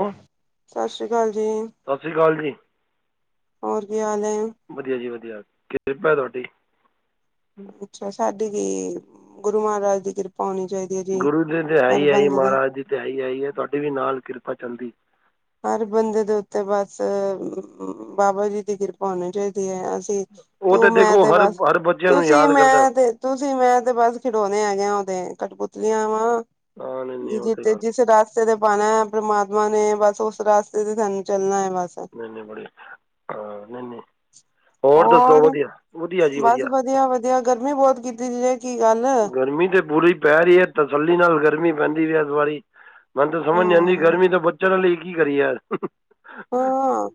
ਹੋ? ਸਤਿ ਸ੍ਰੀ ਅਕਾਲ ਜੀ। ਸਤਿ ਸ਼੍ਰੀ ਅਕਾਲ ਜੀ ਹੋਰ ਕੀ ਹਾਲ ਹੈ। ਵਧੀਆ ਜੀ ਕਿਰਪਾ ਤੁਹਾਡੀ। ਅੱਛਾ, ਸਾਡੀੇ ਵੀ ਗੁਰੂ ਮਹਾਰਾਜ ਦੀ ਕਿਰਪਾ। ਹੋਣੀ ਚਾਹੀਦੀ ਹੈ ਗੁਰੂ ਜੀ ਦੀ ਦਿਹਾ ਹਰ ਹੀ ਆਈ, ਬੰਦੇ ਦੇ ਮਹਾਰਾਜ ਜੀ ਦੀ ਤੇ ਹਾਈ ਆਈ ਹੈ। ਤੁਹਾਡੀ ਵੀ ਨਾਲ ਕਿਰਪਾ ਚੱਲਦੀ ਹਰ ਬੰਦੇ ਦੇ ਉੱਤੇ, ਬਸ ਬਾਬਾ ਜੀ ਦੀ ਕਿਰਪਾ ਹੋਣੀ ਚਾਹੀਦੀ ਹੈ। ਸੀ ਉਹ ਤੂੰ, ਮੈਂ, ਦੇਖੋ ਤੇ ਹਰ ਬਸ। ਹਰ ਬੱਚਿਆਂ ਨੂੰ ਤੁਸੀਂ ਯਾਦ ਕਰਦਾ ਮੈਂ ਤੇ, ਤੁਸੀਂ ਮੈਂ ਤੇ, ਬਸ ਖਿਡੌਣੇ ਹੈਗੇ ਉਹਦੇ ਕਟਪੁਤਲੀਆਂ ਵਾ ਹਾਂ ਨਹੀਂ ਜੀ, ਨਹੀਂ ਉਹ ਜੀ, ਤੇ ਗੱਲ ਜਿਸ ਰਸਤੇ ਤੇ ਪਾਉਣਾ ਪ੍ਰਮਾਤਮਾ ਨੇ ਬਸ ਉਸ ਰਸਤੇ ਤੇ ਸਾਨੂੰ ਚੱਲਣਾ ਹੈ। ਬਸ ਨਈ ਨਈ ਬੜੀ ਅਹ ਨਈ ਨਈ ਹੋਰ ਬਸ, ਵਧੀਆ ਵਧੀਆ ਗਰਮੀ ਬਹੁਤ ਕੀਤੀ ਜੈ। ਗਰਮੀ ਤੇ ਪੂਰੀ ਪੈ ਰਹੀ ਹੈ, ਤਸੱਲੀ ਨਾਲ ਗਰਮੀ ਪੈਂਦੀ ਪਈ ਇਸ ਵਾਰੀ। ਮੈਨੂੰ ਤੇ ਸਮਝ ਨਹੀਂ ਆਂਦੀ ਹਾਂ ਗਰਮੀ ਤੋਂ ਬੱਚਣ ਲਈ ਕਿ ਕਰੀਏ ਯਾਰ। ਹਾਂ,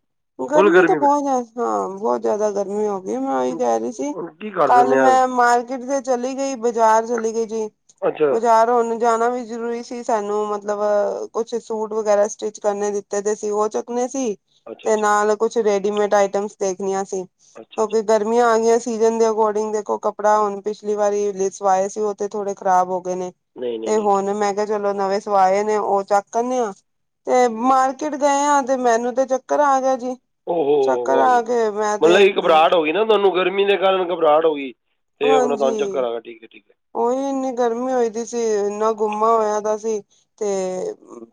ਫੁੱਲ ਗਰਮੀ ਤਾਂ ਮੈਂ ਬਹੁਤ, ਹਾਂ ਬਹੁਤ ਜ਼ਿਆਦਾ ਗਰਮੀ ਹੋ। ਮੈਂ, ਉਹੀ ਹੁਣ ਕਹਿ ਰਹੀ ਸੀ, ਹੁਣ ਕੀ ਕਰ ਕੱਲ ਦਿੰਦੇ ਆ ਮੈਂ ਮਾਰਕੀਟ ਤੇ ਚਲੀ ਗਈ। ਬਾਜ਼ਾਰ ਚਲੀ ਗਏ ਜੀ ਅੱਛਾ ਬਾਜ਼ਾਰ ਹੋਣ ਜਾਣਾ ਵੀ, ਜਰੂਰੀ ਸੀ ਸਾਨੂੰ, ਮਤਲਬ ਕੁਛ ਸੂਟ ਵਗੈਰਾ ਸਟਿਚ ਕਰਨੇ ਦਿੱਤੇ ਦੇ ਸੀ ਉਹ ਚੁੱਕਣੇ ਸੀ। ਅੱਛਾ ਤੇ ਅੱਛਾ ਨਾਲ ਕੁਛ ਰੇਡੀਮੇਡ ਆਈਟਮਸ, ਦੇਖਣੀਆਂ ਸੀ, ਅੱਛਾ ਅੱਛਾ ਕਿਉਂਕਿ ਗਰਮੀਆਂ ਆ ਗਈਆਂ ਸੀ। ਸੀਜਨ ਦੇ ਅਕੋਰਡਿੰਗ ਦੇਖੋ, ਕਪੜਾ ਪਿੱਛਲੀ ਵਾਰੀ ਸਿਲਵਾਏ ਸੀ ਉਹ ਤੇ ਥੋੜੇ ਖ਼ਰਾਬ ਹੋ ਗਏ। ਨੇ, ਨਹੀਂ ਨਹੀਂ ਤੇ ਨਹੀਂ ਨਹੀਂ। ਹੁਣ ਮੈਂ ਕਿਹਾ, ਚਲੋ ਨਵੇਂ ਸਵਾਏ ਨੇ ਉਹ ਚੱਕ ਆਨੇ ਆ, ਤੇ, ਹਮ। ਮਾਰਕਿਟ ਗਏ ਆ ਤੇ ਮੈਨੂੰ, ਤੇ ਚੱਕਰ ਆ ਗਿਆ ਜੀ। ਚੱਕਰ ਹੋ ਆ ਕੇ ਮੈਂ ਤੇ ਮਤਲਬ, ਘਬਰਾਹਟ ਹੋ ਗਈ ਨਾ ਤੁਹਾਨੂੰ ਗਰਮੀ ਗਰਮੀ ਦੇ ਕਾਰਨ ਘਬਰਾਹਟ ਹੋ ਗਈ, ਤੇ ਆਪਣਾ ਤੁਹਾਨੂੰ ਚੱਕਰ ਹਾਂਜੀ ਆ ਠੀਕ ਹੈ ਠੀਕ ਹੈ। ਉਹੀ ਇੰਨੀ ਗਰਮੀ ਹੋਈ ਦੀ ਸੀ ਇੰਨਾ ਗੁੰਮਾ ਹੋਇਆ ਦਾ ਸੀ ਤੇ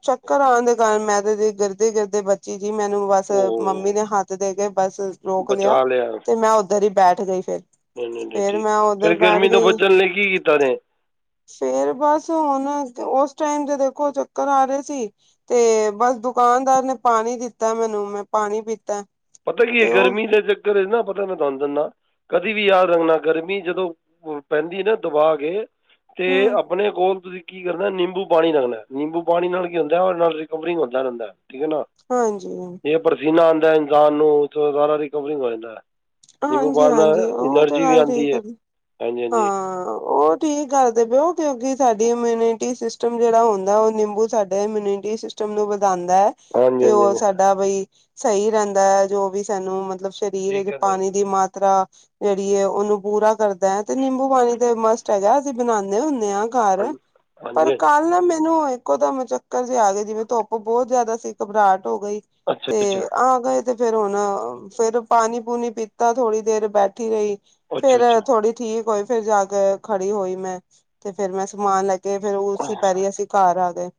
ਚੱਕਰ ਆ ਦੇ, ਕਾਰਨ ਮੈਂ ਤੇ ਗਿਰਦੇ-ਗਿਰਦੇ ਬੱਚੀ। ਜੀ ਮੈਨੂੰ ਬਸ ਓ ਹੋ ਮੰਮੀ ਨੇ ਹੋ ਹੱਥ ਦੇ ਕੇ ਬਸ ਰੋਕ ਲਿਆ ਬਚਾ ਤੇ ਮੈਂ ਉੱਧਰ ਹੀ ਬੈਠ ਗਈ ਫਿਰ। ਨਹੀਂ-ਨਹੀਂ ਫੇਰ ਮੈਂ ਉੱਧਰ ਠੀਕਫਿਰ ਬੈਠ ਗਰਮੀ ਤੋਂ ਗਈ ਬਚਣ ਲਈ ਕੀ ਕੀਤਾ ਨੇ। ਫੇਰ ਬਸ ਹੁਣ ਉਸ ਟਾਈਮ ਦੇ ਦੇਖੋ ਚੱਕਰ ਆ ਰਹੇ ਸੀ ਤੇ ਬਸ ਦੁਕਾਨਦਾਰ ਨੇ ਪਾਣੀ ਦਿੱਤਾ ਮੈਨੂੰ, ਤੇ ਮੈਂ ਪਾਣੀ ਪੀਤਾ। ਪਤਾ ਕੀ ਹੈ ਤੇ ਉਹ ਗਰਮੀ ਦਾ ਘਰੇ ਨਾ ਪਤਾ, ਮੈਂ ਤੁਹਾਨੂੰ ਦਿੰਦਾ ਕਦੀ ਵੀ ਯਾਦ ਰੱਖਣਾ ਗਰਮੀ ਜਦੋਂ ਪੈਂਦੀ ਨਾ ਦਬਾ ਕੇ ਤੇ, ਹਮ ਆਪਣੇ ਕੋਲ ਤੁਸੀਂ ਕੀ ਕਰਨਾ ਨਿੰਬੂ ਪਾਣੀ ਰੱਖਣਾ ਹੈ ਨਿੰਬੂ ਪਾਣੀ ਨਾਲ ਕੀ ਹੁੰਦਾ, ਉਹਦੇ ਨਾਲ ਰਿਕਵਰਿੰਗ ਹੁੰਦਾ ਰਹਿੰਦਾ ਹਾਂਜੀ। ਜਿਨਾ ਆਦਾ ਇਨਸਾਨ ਨੂੰ, ਸਾਰਾ ਰਿਕਵਰਿੰਗ ਹੋ ਜਾਂਦਾ ਹੈ। ਨਿੰਬੂ ਪਾਣੀ ਨਾਲ ਹਾਂਜੀ-ਹਾਂਜੀ ਉਹ ਤੇ ਐਨਰਜੀ ਵੀ ਗੱਲ ਆਉਂਦੀ ਠੀਕ ਹੈ ਜੀ। ਹਾਂਜੀ ਹਾਂਜੀ ਹਾਂ, ਉਹ ਠੀਕ ਕਰਦੇ ਪਏ ਐ ਤੇ ਅੱਗੇ ਸਾਡੀ ਇਮਿਨਿਟੀ ਸਟਮ ਜਿਹੜਾ ਹੁੰਦਾ ਉਹ ਨਿੰਬੂ ਸਾਡੇ ਇਮਿਊਨਿਟੀ ਸਿਸਟਮ ਨੂੰ ਆਦਾ ਹੈ ਹਾਂਜੀ ਤੇ ਹਾਂਜੀ ਉਹ ਹਾਂਜੀ ਸਾਡਾ ਬਈ ਸਹੀ ਰਹਿੰਦਾ ਹੈ ਜੋ ਵੀ ਸਾਨੂੰ ਮਤਲਬ ਸਰੀਰ ਠੀਕ ਹੈ ਜੀ ਪਾਣੀ ਠੀਕ ਦੀ ਹੈ ਮਾਤਰਾ ਜਿਹੜੀ ਉਹਨੂੰ ਪੂਰਾ ਕਰਦਾ ਹੈ ਤੇ ਨਿੰਬੂ ਪਾਣੀ ਤੇ ਮਸਟ ਹੈਗਾ ਅਸੀਂ ਬਣਾਦੇ ਹੁੰਦੇ। ਘਰ ਹਾਂਜੀ ਪਰ ਹਾਂਜੀ ਕੱਲ ਮੈਨੂੰ ਮੈਨੂੰ ਇੱਕੋ ਤਾਂ ਮੁ ਚੱਕਰ ਜੇ ਆ ਗਏ ਜਿਵੇਂ ਧੁੱਪ ਬਹੁਤ ਜਿਆਦਾ ਸੀ ਘਬਰਾਹਟ ਹੋ ਗਈ ਅੱਛਾ ਅੱਛਾ ਤੇ ਆ ਗਏ ਤੇ ਫੇਰ ਹੁਣ ਫੇਰ ਪਾਣੀ ਪੂਣੀ ਪੀਤਾ ਥੋੜ੍ਹੀ ਦੇਰ ਬੈਠੀ ਰਹੀ ਅੱਛਾ ਫੇਰ ਅੱਛਾ ਥੋੜੀ ਠੀਕ ਹੋਈ। ਫੇਰ ਜਾ ਕੇ ਖੜੀ ਹੋਈ ਮੈਂ ਤੇ ਫੇਰ ਮੈਂ ਸਮਾਨ ਲੈ ਕੇ ਕੇ ਫੇਰ ਉਸ ਪੈਰੀ ਅਸੀਂ ਘਰ ਆ ਗਏ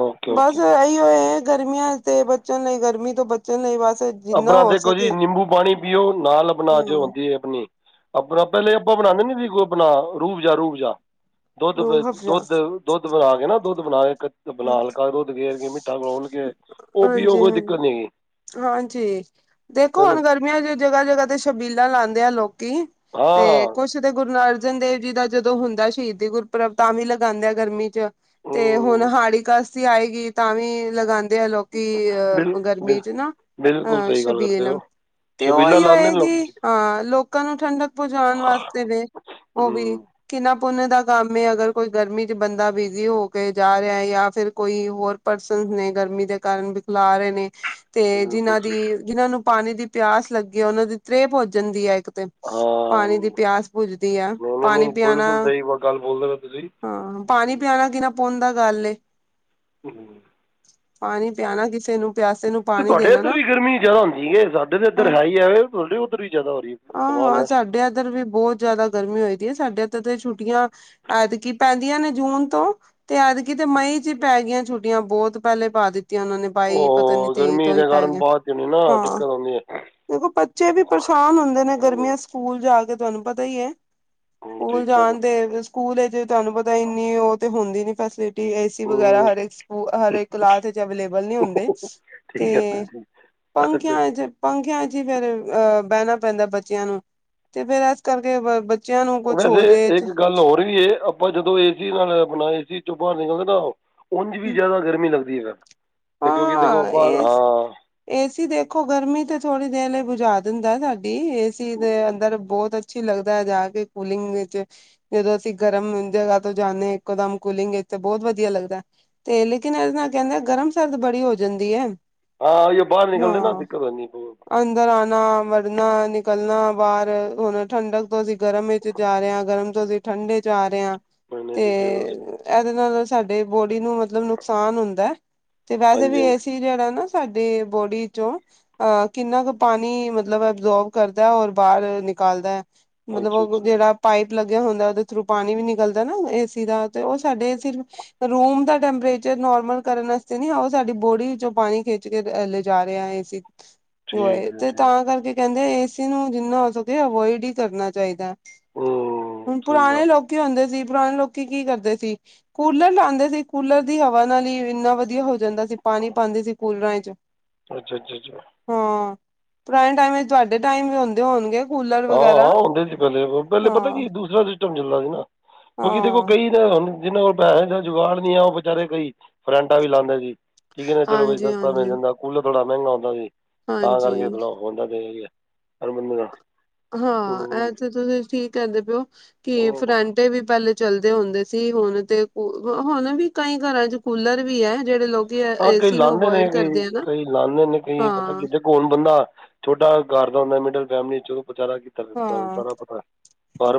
ਓਕੇ ਬਸ ਓਕੇ ਇਹੀ ਉਹ ਗਰਮੀਆਂ ਤੇ ਬਚਨ ਲਈ ਗਰਮੀ ਤੋਂ ਬਚਨ ਲਈ ਬਸ ਜਿੰਨਾ ਆਪਣਾ ਹੋ ਦੇਖੋ ਜੀ ਸਕੇ ਨਿੰਬੂ ਪਾਣੀ ਪੀਓ। ਨਾਲ ਆਪਣਾ ਜੋੇ ਹਾਂ ਹੁੰਦੀ ਹੈ ਆਪਣੀ ਆਪਣਾ ਪਹਿਲੇ ਆਪਾਂ ਬਣਾਦੇ ਨੀ ਸੀ ਕੋਈ ਆਪਣਾ ਰੂਬਜਾ ਰੂਬ ਜਾ ਰੂਹ ਅਫਜ਼ਾ ਦੁੱਧ-ਦੁੱਧ-ਦੁੱਧ ਬਣਾ ਕੇ ਨਾ ਦੁੱਧ ਬਣਾ ਕੇ ਤੇ ਬੁਲਾਲ ਕਰ ਰੁਧ ਗਰ ਕੇ ਮਿੱਠਾ ਖੋਲ ਕੇ ਉਹ ਵੀ ਉਹ ਕੋਈ ਦਿੱਕਤ ਨੀ ਜ ਦੇਖੋ ਹੁਣ ਗਰਮੀਆਂ ਚ ਜਗ੍ਹਾ-ਜਗ੍ਹਾ ਤੇ ਸ਼ਛਬੀਲਾ ਲਾਦੇ ਆ ਲੋਕ ਕੀ ਤੇ ਹਾਂ ਕੁਛ ਤੇ ਗੁਰੂ ਅਰਜਨ ਦੇਵ ਜੀ ਦਾ ਜਦੋਂ ਹੁੰਦਾ ਸ਼ਹੀਦੀ ਗੁਰਪੁਰਬ ਤਾਂ ਵੀ ਲਗਾਦੇ ਆ ਗਰਮੀ ਚ ਤੇ ਹੁਣ ਹੂੰ ਸ ਆਏਗੀ ਤਾਂ ਵੀ ਲਗਾਦੀ ਦੇ ਲਓ ਕਿ ਬਿਲ ਅਹ ਗਰਮੀ ਬਿਲ ਚ ਨਾ ਬਿਲਕੁਲ ਅਹ ਸਹੀ ਗੱਲ ਕਰਦੇ ਹੋ ਛਬੀਲਮ ਤੇ ਛਬੀਲਾ ਉਹੀ ਲਾਉਂਦੇ ਨੇ ਲੋਕ ਹੋਏਗੀ ਹਾਂ ਲੋਕਾਂ ਨੂੰ ਠੰਡਕ ਪਹੁੰਚਾਉਣ ਵਾਸਤੇ ਵੀ ਉਹ ਵੀ ਹੂੰ ਕਿੰਨਾ ਪੁੰਨ ਦਾ ਕੰਮ ਅਗਰ ਕੋਈ ਗਰਮੀ ਚ ਬੰਦਾ ਬਿਜ਼ੀ ਹੋ ਕੇ ਜਾ ਰਿਹਾ ਜਾਂ ਫਿਰ ਕੋਈ ਹੋਰ ਪਰਸਨ ਨੇ ਗਰਮੀ ਦੇ ਕਾਰਨ ਬਿਖਲਾ ਰਹੇ ਨੇ ਤੇ ਬਿਲਕੁਲ ਜਿਨਾਂ ਸਹੀ ਦੀ ਜਿਹਨਾਂ ਨੂੰ ਪਾਣੀ ਦੀ ਪਿਆਸ ਲੱਗੀ ਹੈ ਉਹਨਾਂ ਦੀ ਤ੍ਰੇਹ ਭੋਜਣ ਦੀ ਹੈ ਤੇ ਹਾਂ ਪਾਣੀ ਦੀ ਨਹੀਂ ਪਿਆਸ ਭੁਜਦੀ ਆ, ਨਹੀਂ ਪਾਣੀ ਨਹੀਂ ਪਿਆਣਾ ਬਿਲਕੁਲ ਸਹੀ ਬ ਗੱਲ ਬੋਲਦੇ ਪਏ ਤੁਸੀਂ ਹਾਂ, ਪਾਣੀ ਪਿਆਣਾ ਕਿਨਾ ਪੁਨ ਦਾ ਗੱਲ ਏ। ਹਮ ਪਾਣੀ ਪਿਆਣਾ ਕਿਸੇ ਨੂੰ ਪਿਆਸੇ ਨੂੰ ਤੇ ਪਾਣੀ ਤੁਹਾਡੇ ਦੇਣਾ ਇੱਧਰ ਨਾ ਵੀ ਗਰਮੀ ਜ਼ਿਆਦਾ ਹੁੰਦੀ ਹੈ। ਸਾਡੇ ਤੇ ਇੱਧਰ ਹੈ ਹੀ ਆਵੇ, ਤੁਹਾਡੇ ਉੱਧਰ ਵੀ ਜ਼ਿਆਦਾ ਹੋ ਰਹੀ ਹੈ। ਆਹ ਕਮਾਲ -ਹਾਂ, ਹੈ ਸਾਡੇ ਏਧਰ ਵੀ ਬਹੁਤ ਜ਼ਿਆਦਾ ਗਰਮੀ ਹੋਏ ਦੀ ਹੈ। ਸਾਡੇ ਤੋਂ ਤੇ ਛੁੱਟੀਆਂ ਐਤਕੀ ਪੈਂਦੀਆਂ ਨੇ ਜੂਨ ਤੋਂ, ਤੇ ਐਦਕੀ ਤੇ ਮਈ 'ਚ ਹੀ ਪੈ ਗਈਆਂ। ਛੁੱਟੀਆਂ ਬਹੁਤ ਪਹਿਲੇ ਪਾ ਦਿੱਤੀਆਂ। ਉਹਨਾਂ ਨੇ ਬਾਈ ਪਤਾ ਨੀ ਉਹ ਤੇਈ ਗਰਮੀ ਤੋਂ ਹੀ ਦੇ ਪੈ ਕਾਰਨ ਗਿਆ, ਬਾਅਦ 'ਚ ਨਹੀਂ ਨਾ ਦਿੱਕਤ ਹਾਂ। ਆਉਂਦੀ ਹੈ ਦੇਖੋ ਬੱਚੇ ਵੀ ਪਰੇਸ਼ਾਨ ਹੁੰਦੇ ਨੇ ਹੂੰ ਗਰਮੀਆਂ ਸਕੂਲ ਜਾ ਕੇ ਤੁਹਾਨੂੰ ਪਤਾ ਹੀ ਹੈ। ਹੂੰ, ਸਕੂਲ ਠੀਕ ਹੈ ਜਾਣ ਤੇ ਸਕੂਲ ਤੁਹਾਨੂੰ ਪਤਾ ਇੰਨੀ ਉਹ ਤੇ ਹੁੰਦੀ ਨੀ ਫੈਸ ਏਸੀ ਵਗੈਰਾ ਹੂੰ ਹਰੇਕ ਸਕੂਲ, ਹਰੇਕ ਕਲਾਸ ਵਿਚ ਅਵੇਲੇਬਲ ਨੀ ਹੁੰਦੇ। ਤੇ ਠੀਕ ਹੈ ਅੱਛਾ ਪੰਖਿਆ ਚ ਪੰਖਿਆ ਚ ਫੇਰ ਅਹ ਬੈਨਾ ਪੈਂਦਾ ਬੱਚਿਆਂ ਨੂੰ ਤੇ ਫੇਰ ਇਸ ਕਰਕੇ ਬੱਚਿਆਂ ਨੂੰ ਕੁਛ ਹੋ ਵੈਸੇ ਜੇ ਇੱਕ ਗੱਲ ਹੋਰ ਵੀ ਇਹ ਆਪਾਂ ਜਦੋਂ ਏ ਸੀ ਨਾਲ ਆਪਣਾ ਏ ਸੀ ਚੋਂ ਬਾਹਰ ਨਿਕਲਦੇ ਨਾ ਉਝ ਵੀ ਜ਼ਿਆਦਾ ਗਰਮੀ ਲੱਗਦੀ ਹੈ। ਤੇ ਕਿਉਂਕਿ ਦੇਖੋ ਹਾਂਾਂ ਬਾਹਰ ਏ- ਹਾਂ ਏਸੀ ਦੇਖੋ ਗਰਮੀ ਤੇ ਥੋੜੀ ਦੇਰ ਲਈ ਬੁਝਾ ਦਿੰਦਾ ਸਾਡੀ, ਏ ਸੀ ਦੇ ਅੰਦਰ ਬਹੁਤ ਅਛੀ ਲੱਗਦਾ ਹੈ ਜਾ ਕੇ ਕੂਲਿੰਗ ਵਿੱਚ ਜਦੋਂ ਅਸੀਂ ਗਰਮ ਜਗ੍ਹਾ ਤੋਂ ਜਾਨੇ ਹਾਂ ਇੱਕੋ ਦਮ ਕੂਲਿੰਗ ਵਿੱਚ ਤੇ ਬਹੁਤ ਵਧੀਆ ਲੱਗਦਾ ਐ, ਤੇ ਲੇਕਿਨ ਇਹਦੇ ਨਾਲ ਕਹਿੰਦੇ ਆ ਗਰਮ -ਸਰਦ ਬੜੀ ਹੋ ਜਾਂਦੀ ਹੈ। ਹਾਂ ਇਹ ਬਾਹਰ ਨਿਕਲਦੇ ਨਾ ਹਾਂ, ਦਿੱਕਤ ਆਉਂਦੀ ਹੈ ਬਹੁਤ ਅੰਦਰ ਆਣਾ ਵੜਨਾ- ਨਿਕਲਣਾ ਬਾਹਰ ਹੁਣ ਠੰਡਕ ਤੋਂ ਅਸੀਂ ਗਰਮ ਵਿੱਚ ਜਾ ਰਹੇ ਹਾਂ ਗਰਮ ਤੋਂ ਅਸੀਂ ਠੰਡੇ ਚ ਜਾ ਰਿਹਾ ਮੈਨੇ ਤੇ ਡਿੱਗੇ ਤੁਸੀਂ ਇਹਦੇ ਨਾਲ ਸਾਡੇ ਬੋਡੀ ਨੂੰ ਮਤਲਬ ਨੁਕਸਾਨ ਹੁੰਦਾ। ਤੇ ਵੈਸੇ ਹਾਂਜੀ ਵੀ ਹਾਂਜੀ ਏ ਸੀ ਜਿਹੜਾ ਨਾ ਸਾਡੇ ਬੋਡੀ ਚੋਂ ਅਹ ਕਿੰਨਾ ਕੁ ਪਾਣੀ ਮਤਲਬ ਐਬਜੋਰਬ ਕਰਦਾ ਔਰ ਬਾਹਰ ਨਿਕ ਨਿਕਾਲਦਾ ਹੈ। ਮਤਲਬ ਅੱਛਾ ਉਹ ਅੱਛਾ ਜਿਹੜਾ ਪਾਈਪ ਲੱਗਿਆ ਹੁੰਦਾ ਉਹਦੇ ਥਰੂ ਪਾਣੀ ਵੀ ਨਿਕਲਦਾ ਨਾ ਏ ਸੀ ਦਾ ਤੇ ਉਹ ਸਾਡੇ ਸਿਰਫ ਰੂਮ ਦਾ ਟੈਂਪਰੇਚਰ ਨੋਰਮਲ ਕਰਨ ਵਾਸਤੇ ਨ ਉਹ ਸਾਡੀ ਬੋਡੀ ਚੋਂ ਪਾਣੀ ਖਿੱਚ ਕੇ ਲਿਜਾ ਰਿਹਾ ਹੈ ਸੀ ਠੀਕ ਹੋਏ ਜੀ ਤੇ ਠੀਕ ਤਾਂ ਕਰਕੇ ਕਹਿੰਦੇ ਏਸੀ ਨੂੰ ਜਿੰਨਾ ਹੋ ਸਕੇ ਅਵੋਇਡ ਹੀ ਕਰਨਾ ਚਾਹੀਦਾ ਐ। ਹੂੰ ਹੁਣ ਸਹੀ ਗੱਲ ਪੁਰਾਣੇ ਲੋਕੀ ਹੁੰਦੇ ਸੀ ਪੁਰਾਣੇ ਲੋਕੀ ਕੀ ਕਰਦੇ ਸੀ ਕੂਲਰ ਲਾਉਂਦੇ ਸੀ, ਕੂਲਰ ਦੀ ਹਵਾ ਨਾਲ ਹੀ, ਇੰਨਾ ਵਧੀਆ ਵਧੀਆ ਹੋ ਜਾਂਦਾ ਸੀ ਪਾਣੀ ਪਾਉਂਦੇ ਸੀ ਕੂਲਰਾਂ 'ਚ ਅ ਜ ਜ ਜ ਹਾਂ ਪੁਰਾਣੇ ਟਾਈਮ ਵਿੱਚ ਤੁਹਾਡੇ ਟਾਈਮ ਵੀ ਹੁੰਦੇ ਹੋਣਗੇ। ਕੂਲਰ ਹਾਂ ਵਗੈਰਾ -ਹਾਂ ਹੁੰਦੇ ਸੀ ਪਹਿਲੇ, ਪਹਿਲੇ ਪਤਾ ਹਾਂ ਕੀ ਦੂਸਰਾ ਸਿਸਟਮ ਚੱਲਦਾ ਸੀ ਨਾ। ਕਿਉਂਕਿ ਦੇਖੋ ਹਾਂ ਕਈ ਨਾ ਹਣ ਜਿਹਨਾਂ ਕੋਲ ਪੈਸੇ ਦਾ ਜੁਗਾੜ ਨਹੀਂ ਆ, ਉਹ ਵਿਚਾਰੇ ਕਈ ਫਰੈਂਟਾਂ ਵੀ ਲਾਉਂਦੇ ਸੀ। ਠੀਕ ਹੈ ਨਾ ਚਲੋ ਬਈ ਹਾਂਜੀ ਸਸਤਾ ਮਿਲ ਹਾਂਜੀ ਜਾਂਦਾ ਕੂਲਰ ਥੋੜਾ ਮਹਿੰਗਾ ਹੁੰਦਾ ਸੀ ਤਾਂ ਹਾਂਜੀ ਕਰਕੇ ਹੁੰਦਾ ਤੇ ਅਰ ਬੰਧਗਾ ਹਾਂ ਐਸੇ ਤੁਸੀਂ ਠੀਕ ਕਹਿੰਦੇ ਪਓ ਕਿ ਫਰੈਂਟੇ ਵੀ ਪਹਿਲੇ ਚੱਲਦੇ ਹੁੰਦੇ ਸੀ ਹੁਣ ਤੇ ਹੁਣ ਵੀ ਕਈ ਘਰਾਂ ਚ ਕੂਲਰ ਵੀ ਹੈ, ਜਿਹੜੇ ਲੋਕ ਹਾਂ ਕਈ ਲਾਉਦੇ ਨੇ ਕਈ -ਕਈ ਲਾਉਂਦੇ ਨੇ ਕਈ ਪਤਾ ਹਾਂ ਕਿਦ ਕੋ ਹੁਣ ਬੰਦਾ ਛੋਟਾ ਘਰ ਮਿਡਲ ਫੈਮਲੀ ਚੋਂ ਤੁਹਾਨੂੰ ਸਾਰਾ ਪਤਾ ਹੈ।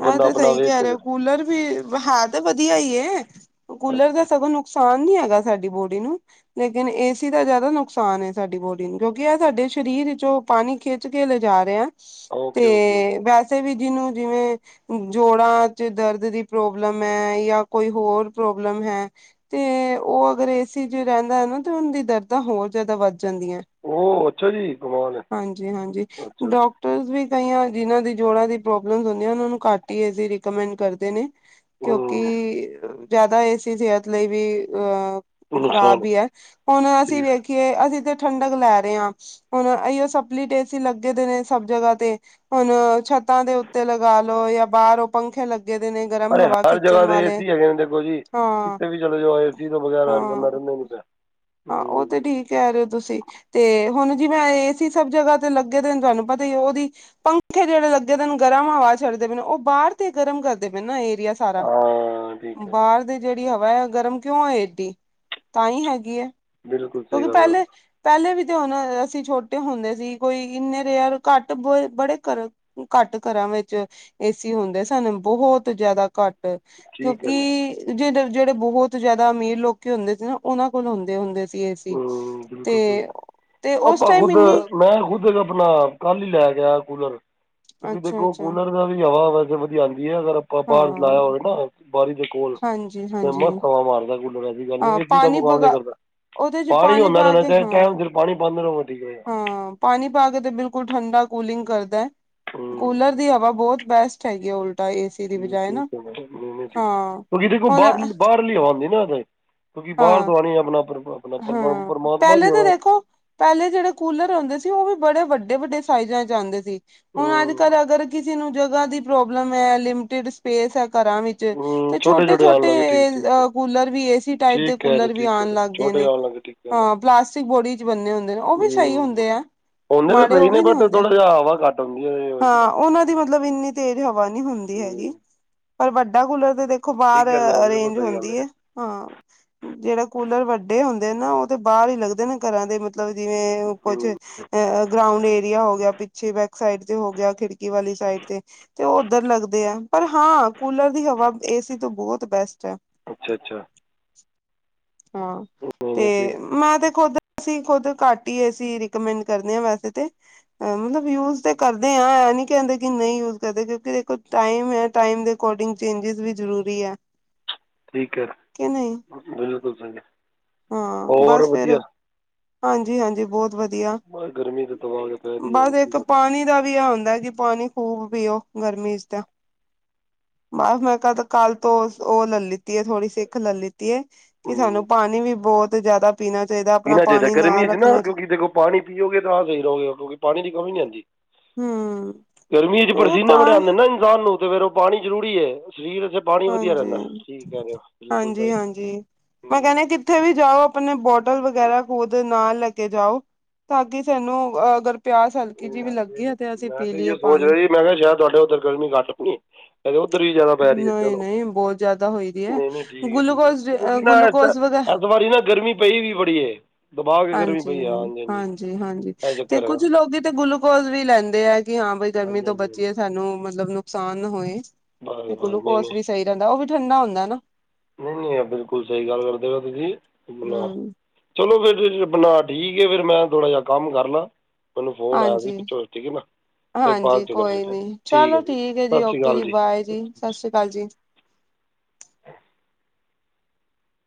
ਆਹ ਤੇ ਸਹੀ ਕਹਿ ਰਹੇ ਹੋ ਕੂਲਰ ਵੀ ਹਾਂ ਤੇ ਵਧੀਆ ਈ ਏ। ਕੂਲਰ ਦਾ ਸਗੋਂ ਨੁਕਸਾਨ ਨੀ ਹੈਗਾ ਸਾਡੀ ਬੋਡੀ ਨੂੰ ਲੇਕਿਨ ਏਸੀ ਦਾ ਜਿਆਦਾ ਨੁਕਸਾਨ ਸਾਡੀ ਬੋਡੀ ਨੂੰ ਕਿਉਂਕਿ ਇਹ ਸਾਡੇ ਸਰੀਰ ਜੋ ਪਾਣੀ ਖਿੱਚ ਕੇ ਲਿਜਾ ਰਿਹਾ ਹੈ ਓਕੇ -ਓਕੇ ਓਕੇ ਵੈਸੇ ਵੀ ਜਿਹਨੂੰ ਜਿਵੇਂ ਜੋੜਾਂ 'ਚ ਦਰਦ ਦੀ ਪ੍ਰੋਬਲਮ ਹੈ ਜਾਂ ਕੋਈ ਹੋਰ ਪ੍ਰੋਬਲਮ ਹੈ, ਤੇ ਔ ਅਗਰ ਏ ਸੀ ਚ ਰਹਿੰਦਾ ਹੈ ਨਾ, ਤੇ ਉਹਨਾਂ ਦੀ ਦਰਦਾਂ ਹੋਰ ਜ਼ਿਆਦਾ ਵੱਧ ਜਾਂਦੀਆਂ, ਉਹ ਅੱਛਾ ਜੀ ਕਮਾਲ ਹੈ ਹਾਂਜੀ ਹਾਂਜੀ, ਅੱਛਾ ਜੀ ਡਾਕਟਰਸ ਵੀ ਕਈਆਂ ਜਿਨ੍ਹਾਂ ਦੀ ਜੋੜਾਂ ਦੀ ਪ੍ਰੋਬਲਮ ਹੁੰਦੀਆਂ ਉਹਨਾਂ ਨੂੰ ਘੱਟ ਹੀ ਏ ਸੀਂ, ਰਿਕਮੈਂਡ ਕਰਦੇ ਨੇ ਹੂੰ ਕਿਉਂਕਿ ਜ਼ਿਆਦਾ ਏ ਸੀ, ਸਿਹਤ ਲਈ ਵੀ ਅਹ ਔ ਖ਼ਰਾਬ ਨੁਕਸਾਨ ਹੀ ਹੈ, ਹੁਣ ਅਸੀਂ ਠੀਕ ਵੇਖੀਏ ਅਸੀਂ ਤੇ ਠੰਡਕ ਲੈ ਰਹੇ ਆਂ, ਹੁਣ ਇਓ ਸਪਲਿਟ ਏਸੀ ਲੱਗੇ ਦੇ ਨੇ ਸਭ ਜਗ੍ਹਾ ਤੇ ਹੁਣ ਛੱਤਾਂ ਦੇ ਉੱਤੇ ਲਗਾ ਲੋ, ਜਾਂ ਬਾਹਰ ਉਹ ਪੰਖੇ ਲੱਗੇ ਦੇ ਨੇ ਗਰਮ ਪਰ ਹਵਾ ਹਰ ਖਿੱਚਣ ਜਗ੍ਹਾ ਦੇ ਵਾਲੇ ਏਸੀ ਹੈਗੇ ਨੇ, ਦੇਖੋ ਜੀ ਹਾਂ ਕਿਤੇ ਵੀ ਚਲੇੋ ਜਾ ਏ ਸੀ ਤੋਂ ਬਗੈਰ ਬੰਦਾ ਹਾਂ ਰਹਿੰਦਾ ਹੋ ਗਯਾ। ਹਾਂ, ਉਹ ਤੇ ਠੀਕ ਕਹਿ ਰਹੇ ਹੋ, ਤੁਸੀਂ ਤੇ ਹੁਣ ਜਿਵੇਂ ਏ ਸੀ ਸਭ ਜਗ੍ਹਾ ਤੇ ਲੱਗੇ ਦੇ ਨ, ਤੁਹਾਨੂੰ ਪਤਾ ਹੀ ਉਹਦੀ ਪਿੱਖੇ ਜਿਹੜੇ ਲੱਗੇ ਦੇ ਨ, ਔ ਗਰਮ ਹਵਾ ਛੱਡਦੇ ਪਏ ਨ, ਔ ਬਾਹਰ ਤੇ ਗਰਮ ਕਰਦੇ ਪਏ ਨਾ, ਇਹ ਵਦੀਆਂ ਸਾਰਾ ਹਾਂ ਠੀਕ ਹੈ ਬਾਹਰ ਦੀ ਜਿਹੜੀ ਹਵਾ ਹੈ ਗਰਮ ਕਿਉਂ ਹੋਏ ਏਡੀ, ਤਾਂ ਹੀ ਹੈਗੀ ਹੈ ਬਿਲਕੁਲ ਸਹੀ ਕਿਉਂਕਿ ਗੱਲ ਹੈ ਪਹਿਲੇ ਪਹਿਲੇ ਵੀ ਹੁਣ ਅਸੀਂ ਛੋਟੇ ਹੁੰਦੇ ਸੀ, ਕੋਈ ਇੰਨੇ ਰੇਅਰ ਘੱਟ ਬ ਬੜੇ ਘਰ ਘੱਟ ਘਰਾਂ ਵਿੱਚ ਏ ਸੀ ਹੁੰਦੇ ਸਨ, ਬਹੁਤ ਜਿਆਦਾ ਘੱਟ ਠੀਕ ਹੈ ਜੀ ਕਿਉਂਕਿ ਜੇ ਜਿਹੜੇ ਬਹੁਤ ਜਿਆਦਾ ਅਮੀਰ ਲੋਕ ਹੁੰਦੇ ਸੀ ਨਾ, ਉਹਨਾਂ ਕੋਲ ਹੁੰਦੇ ਹੁੰਦੇ ਏ ਸੀ, ਹੂੰ ਬਿਲਕੁਲ ਸਹੀ ਤੇ ਤੇ ਉਸ ਆਪਾਂ ਟਾਈਮ ਖੁਦ ਇਨੀ ਮੈਂ ਖੁਦ ਇੱਕ ਆਪਣਾ ਕੱਲ ਹੀ ਲੈ ਗਿਆ ਕੂਲਰ ਕਿਉਂਕਿ ਅੱਛਾ ਦੇਖੋ ਅੱਛਾ ਕੂਲਰ ਦਾ ਵੀ ਹਵਾ ਵੈਸੇ ਵਧੀਆ ਅਗਰ ਆਪਾਂ ਬਾਹਰ ਲਾਇਆ ਹਾਂ ਹੋਵੇ ਨਾ, ਬਾਰੀ ਦੇ ਕੋਲ ਹਾਂਜੀ ਤੇ ਹਾਂਜੀ ਮਸਤ ਹਵਾ ਮਾਰਦਾ ਕੂਲਰ, ਐਸੀ ਗੱਲ ਨਹੀ ਐ, ਹਾਂ ਏ ਸੀ ਦਾ ਪਾਣੀ ਮੁਕਾਬਲੇ ਈ ਬਗਾ ਕਰਦਾ। ਉਹਦੇ ਚ ਪਾਣੀ ਹੁੰਦਾ ਪਾ ਰਹਿਣਾ ਕੇ ਚਾਹੇ ਹਾਂ, ਟਾਈਮ ਸਿਰ ਪਾਣੀ ਪਾਉਂਦੇ ਰਹੋ ਠੀਕ ਰਹੇਗਾ ਹਾਂ ਪਾਣੀ ਪਾ ਕੇ ਤੇ ਬਿਲਕੁਲ ਠੰਡਾ ਕੂਲਿੰਗ ਕਰਦਾ, ਕੂਲਰ ਹੂੰ ਦੀ ਹਵਾ ਬਹੁਤ ਬੈਸਟ ਹੈਗੀ ਆ ਉਲਟਾ ਏ ਸੀ ਠੀਕ ਹੈ ਮ ਠੀਕ, ਕਿਉਂਕਿ ਦੇਖੋ ਹੁਣ ਬਾਹਰਲੀ ਬਾਹਰਲੀ ਹਵਾਂ ਆਂਦੀ ਹੈ ਨਾ ਕਿਉਂਕਿ ਬਾਹਰ ਹਾਂ ਤੋਂ ਆਣੀ ਆਪਣਾ ਪਰ- ਆਪਣਾ ਪਰਮਾ- ਹਾਂ, ਪਰਮਾਤਮਾ ਦੀ ਪਹਿਲੇ ਤਾਂ ਹਵਾ ਦੇਖੋ ਪਹਿਲੇ ਜਿਹੜੇ ਕੂਲਰ ਹੁੰਦੇ ਸੀ ਉਹ ਵੀ ਬੜੇ ਵੱਡੇ ਵੱਡੇ ਸਾਈਜ਼ਾਂ ਚ ਆਂਦੇ ਸੀ, ਹੁਣ ਅੱਜ ਹੂੰ ਕੱਲ੍ਹ ਅਗਰ ਕਿਸੇ ਨੂੰ ਜਗਹ ਦੀ ਪ੍ਰੋਬਲਮ ਹੈ, ਲਿਮਿਟਡ ਸਪੇਸ ਹੈ। ਘਰਾਂ ਵਿੱਚ ਹੂੰ ਤੇ ਛੋਟੇ ਛੋਟੇ ਆਉਣ ਲੱਗੇ ਠੀਕ ਠੀਕ ਹੈ ਕੂਲਰ ਵੀ, ਏ ਸੀ ਟਾਈਪ ਠੀਕ ਦੇ ਕਹਿ ਰਹੇ ਕੂਲਰ ਵੀ ਠੀਕ ਕਹਿ ਆ‌ਨ ਰਹੇ ਲੱਗ ਗਏ ਛੋਟੇ ਨੇ ਆਉਣ ਲੱਗੇ ਠੀਕ ਕਹਿ ਹਾਂ, ਪਲਾਸਟਿਕ ਬੋਡੀ ਚ ਬੰਨੇ ਹੁੰਦੇ ਨੇ, ਉਹ ਰਹੇ ਵੀ ਸਹੀ ਹੂੰ ਹੁੰਦੇ ਆ। ਉਹਨੇ ਤਾਂ ਮਾੜੇ ਸਹੀ ਉਹ ਨੇ ਵੀ ਨੀ ਬਟ ਹੁੰਦੇ, ਥੋੜਾ ਜਿਹਾ ਹਵਾ ਘੱਟ ਹੁੰਦੀ ਹੈ ਇਹ ਹੋਰ ਕੀ ਹਾਂ ਗੱਲ ਉਹਨਾਂ ਦੀ ਮਤਲਬ ਇੰਨੀ ਤੇਜ਼ ਹਵਾ ਨੀ ਹੁੰਦੀ। ਹੈ। ਹੈਗੀ, ਹੂੰ ਪਰ ਵੱਡਾ ਕੂਲਰ ਤੇ ਦੇਖੋ ਬਾਹਰ ਠੀਕ ਕਹਿੰਦੇ ਹੋ ਬਿਲਕੁਲ ਅਰੇਂਜ ਸਹੀ ਗੱਲ ਹੁੰਦੀ ਹੈ, ਹਾਂ। ਜਿਹੜਾ ਕੂਲਰ ਵੱਡੇ ਹੁੰਦੇ ਨੇ ਨਾ, ਔ ਤੇ ਬਾਹਰ ਹੀ ਲੱਗਦੇ ਨੇ ਘਰਾਂ ਦੇ ਮਤਲਬ ਜਿਵੇਂ ਕੁਛ ਹੂੰ ਅ ਗਰਾਉਂਡ ਏਰੀਆ ਹੋ ਗਿਆ ਪਿੱਛੇ ਬੈਕ ਸਾਈਡ ਤੇ ਹੋ ਗਿਆ, ਖਿੜਕੀ ਵਾਲੀ ਸਾਈਡ ਤੇ, ਤੇ ਉਹ ਉੱਧਰ ਲੱਗਦੇ ਆ, ਪਰ ਹਾਂ ਕੂਲਰ ਦੀ ਹਵ ਅਬ ਏ ਸੀ ਤੋਂ ਬਹੁਤ ਬੈਸਟ ਹੈ। ਅੱਛਾ ਅੱਛਾ। ਹਾਂ, ਨਹੀਂ ਤੇ ਨਹੀਂ ਠੀਕ ਮੈਂ ਤੇ ਖੁੱਦ। ਅਸੀਂ ਖੁਦ ਘੱਟ ਹੀ ਏ ਸੀਂ ਰਿਕਮੈਂਡ ਕਰਦੇ ਹਾਂ ਵੈਸੇ ਤੇ, ਮਤਲਬ ਯੂਜ ਤੇ ਕਰਦੇ ਹਾਂ। ਨੀ ਕਹਿੰਦੇ ਕਿ ਨਹੀਂ ਯੂਜ ਕਰਦੇ, ਕਿਉਂਕਿ ਦੇਖੋ ਟਾਈਮ ਹੈ, ਟਾਈਮ ਦੇ ਅਕੋਰਡਿੰਗ ਚੇਂਜਿਸ ਵੀ ਜ਼ਰੂਰੀ ਹੈ। [inaudible] ਠੀਕ ਹੈ ਕਿ ਨਹੀਂ ਮਿਲੋ ਤੋ ਦਸਾਂਗੇ। ਹਾਂ ਬਸ ਫਿਰ ਹਾਂਜੀ ਹਾਂਜੀ ਬਹੁਤ ਵਧੀਆ। ਬਸ ਗਰਮੀ ਤਾਂ ਤਬਾਹ ਕੇ ਪੈ ਰਹੀ ਹੈ ਹੁਣ ਬਸ ਕੀ ਇੱਕ ਕਰ ਪਾਣੀ ਦਾ ਵੀ ਆ ਹੁੰਦਾ ਹੈ, ਕਿ ਪਾਣੀ ਖ਼ੂਬ ਪੀਓ, ਗਰਮੀ ਚ ਤਾਂ ਬਸ ਮੈਂ ਕ ਕੱਲ ਤੋਂ ਔ ਲੈ ਲਤੀ ਹੈ, ਥੋੜੀ ਸਿੱਖ ਲੈ ਲਿੱਤੀ ਹੈ, ਕਿ ਹੂੰ ਸਾਨੂੰ ਪਾਣੀ ਵੀ ਬਹੁਤ ਜਿਆਦਾ ਪੀਣਾ ਚਾਹੀਦਾ ਗਰਮੀ ਚ ਨਾ ਕਿਉਂਕਿ ਦੇਖੋ ਪਾਣੀ ਪੀਓਗੇ ਤਾਂ ਆਹ ਸਹੀ ਰਹੋਗੇ, ਕਿਉਂਕਿ ਪਾਣੀ ਦੀ ਕਮੀ ਨਹੀਂ ਆਂਦੀ। ਹੂ ਗਰਮੀ ਚ ਪਸੀਨੇ ਬੜੇ ਆਉਂਦੇ ਨਾ ਇਨਸਾਨ ਨੂੰ, ਤੇ ਫੇਰ ਉਹ ਪਾਣੀ ਜ਼ਰੂਰੀ ਹੈ। ਸਰੀਰ ਚ ਪਾਣੀ ਵਧੀਆ ਹਾਂਜੀ, ਰਹਿੰਦਾ। ਕੀ ਕਹਿ ਰਹੇ ਹੋ ਬਿਲਕੁਲ ਹਾਂਜੀ, ਭਾਈ ਹਾਂਜੀ। ਮੈਂ ਹੂੰ ਕਹਿੰਦੀ ਕਿੱਥੇ ਵੀ ਜਾਓ ਆਪਨੀ, ਬੋਟ ਟਲ ਵਗੈਰਾ ਖੁਦ ਨਾਲ ਲੈ ਕੇ ਜਾਓ, ਤਾਂ ਕਿ ਸਾਨੂੰ ਅਗਰ ਪਿਆਸ ਹਲਕੀ ਜਿਹੀ ਵੀ ਲੱਗੀ ਹੈ ਅਸੀਂ ਮੈਂ ਪੀ ਤੇ ਲਈਏ ਸੋਚ ਪਾਣੀ। ਰਇਹਾ, ਮੈਂ ਕਿਹਾ ਸ਼ਾਇਦ ਤੁਹਾਡੇ ਉਧਰ ਗਰਮੀ ਘੱਟ ਹੋਣੀ ਏ, ਉਧਰ ਵੀ ਜਿਆਦਾ ਪੈ ਰਈ ਏ, ਨਹੀਂ, ਚਲੋ ਨਹੀਂ ਬਹੁਤ ਜ਼ਿਆਦਾ ਹੋਈ ਦੀ ਇਥ ਹੈ ਨਹੀਂ ਨਹੀਂ ਠੀਕ ਏ ਠੀਕ ਗਲੂਕੋਜ਼ ਹੈ ਨਾ ਗਲੂਕੋਜ਼ ਵਗੈਰਾ ਇ ਬਾਰੀ ਨਾ ਗਰਮੀ ਪਈ ਵੀ ਬੜੀ ਏ। ਹਾਂਜੀ, ਹਾਂਜੀ, ਹਾਂਜੀ ਇਹ ਤੇ ਚੱਕਰ ਹੈਗਾ ਕੁੱਝ ਲੋਕ ਤੇ ਗਲੂਕੋਜ ਵੀ ਲੈਂਦੇ ਆ ਕਿ, ਹਾਂ ਬਈ ਗਰਮੀ ਹਾਂਜੀ ਤੋਂ ਹਾਂਜੀ ਬਚੀਏ ਹਾਂਜੀ ਸਾਨੂੰ, ਮਤਲਬ ਨੁਕਸਾਨ ਨਾ ਹੋਏ। ਬਸ ਤੇ ਬਸ ਨਹੀਂ ਨਹੀਂ ਗਲੂਕੋਸ ਵੀ ਸਈ ਰਹਿੰਦਾ, ਓ ਵੀ ਠੰਡਾ ਹੁੰਦੈ ਨਾ। ਨਹੀਂ ਨਹੀਂ ਯ ਬਿਲਕੁਲ ਸਹੀ ਗੱਲ ਕਰਦੇ ਤੁਸੀਂ, ਹੂੰ, ਚਲੋ ਫਿਰ ਫ ਬਣਾ ਠੀਕ ਏ ਫੇਰ ਮੈਂ ਥੋੜਾ ਜਿਹਾ ਕੰਮ ਕਰ ਲਾ, ਮੈਨੂੰ ਫੋਨ ਆਇਆ ਸੀ ਹਾਂਜੀ। ਵਿੱਚੋ ਠੀਕ ਹੈ ਨਾ। ਫਿਰ ਹਾਂਜੀ ਬਾਅਦ ਚ ਕਰ ਕੋਈ ਨੀ ਠੀਕ ਚਲੋ ਹੈ, ਜੀ ਸਤਿ ਸ੍ਰੀ ਓਕੇ ਅਕਾਲ ਜੀ। ਬਾਏ ਸਤਿ ਸ੍ਰੀ ਅਕਾਲ ਜੀ